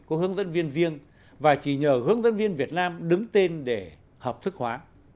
của hướng dẫn viên viêng và chỉ nhờ hướng dẫn viên việt nam đứng tên để hợp thức hóa